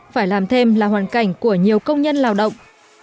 phải làm thêm là hoàn cảnh của nhiều công nhân lao động